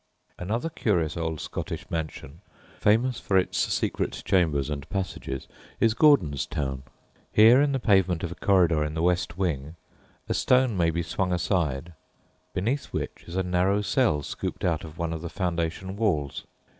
Another curious old Scottish mansion, famous for its secret chambers and passages, is Gordonstown. Here, in the pavement of a corridor in the west wing, a stone may be swung aside, beneath which is a narrow cell scooped out of one of the foundation walls.